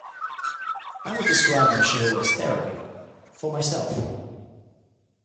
I would describe my show as therapy, for myself.